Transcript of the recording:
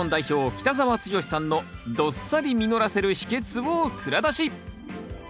北澤豪さんのどっさり実らせる秘けつを蔵出し！